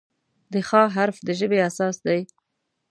د "خ" حرف د ژبې اساس دی.